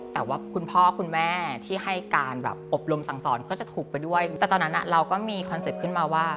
แต่ตอนนั้นเราก็มีคอนเซ็ปต์ขึ้นมาว่า